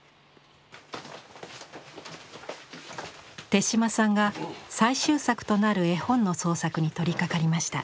手島さんが最終作となる絵本の創作に取りかかりました。